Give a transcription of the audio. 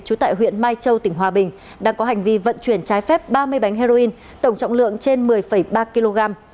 trú tại huyện mai châu tỉnh hòa bình đang có hành vi vận chuyển trái phép ba mươi bánh heroin tổng trọng lượng trên một mươi ba kg